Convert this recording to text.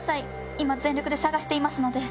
今全力で捜していますので。